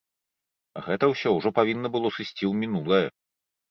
Гэта ўсё ўжо павінна было сысці ў мінулае.